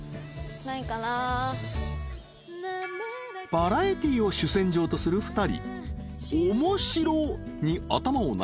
［バラエティーを主戦場とする２人］